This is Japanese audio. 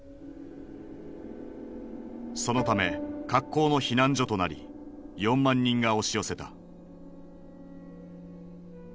そのため格好の避難所となり４万人が押し寄せた。